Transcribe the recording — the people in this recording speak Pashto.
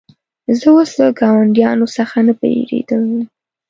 زه اوس له ګاونډیانو څخه نه بېرېدلم.